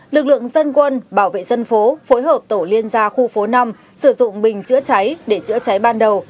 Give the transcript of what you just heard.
lực lượng dân quân bảo vệ dân phố phối hợp tổ liên gia khu phố năm sử dụng bình chữa cháy để chữa cháy ban đầu